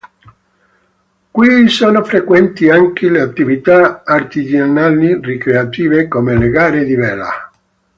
Qui sono frequenti anche le attività artigianali ricreative come le gare di vela.